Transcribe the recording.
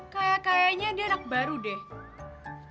kayak kayanya ada anak baru deh